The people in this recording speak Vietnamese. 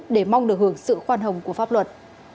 để mong được hưởng sự khoan hồng của pháp luật